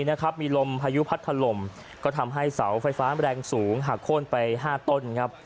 นะครับมีลมพายุพัดถล่มก็ทำให้เสาไฟฟ้าแรงสูงหักโค้นไปห้าต้นครับ